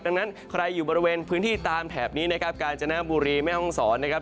ดังนั้นใครอยู่บริเวณพื้นที่ตามแถบนี้นะครับกาญจนบุรีแม่ห้องศรนะครับ